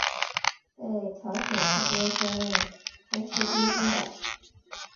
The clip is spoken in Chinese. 在朝鲜期间升任空四军军长。